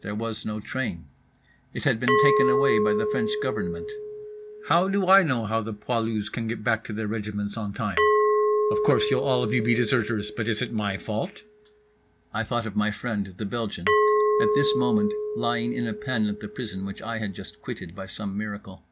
There was no train. It had been taken away by the French Government. "How do I know how the poilus can get back to their regiments on time? Of course you'll all of you be deserters, but is it my fault?" (I thought of my friend, the Belgian, at this moment lying in a pen at the prison which I had just quitted by some miracle.)